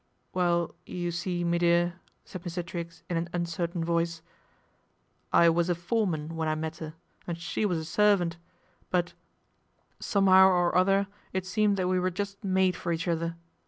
"Well, you see, me dear," said Mr. Triggs in an jncertain voice, " I was a foreman when I met 'er, jtid she was a servant ; but somehow or other i seemed that we were just made for each other.